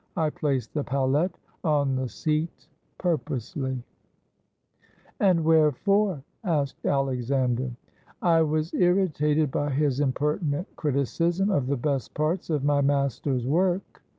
I placed the palette on the seat purposely." 203 GREECE "And wherefore?" asked Alexander. "I was irritated by his impertinent criticism of the best parts of my master's work.